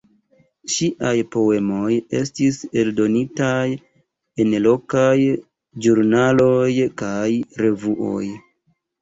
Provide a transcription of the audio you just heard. Ŝiaj poemoj estis eldonitaj en lokaj ĵurnaloj kaj revuoj.